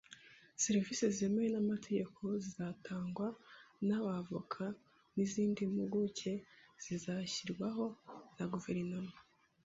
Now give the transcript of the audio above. Serivisi zemewe n’amategeko zizatangwa n’abavoka n’izindi mpuguke zizashyirwaho na guverinoma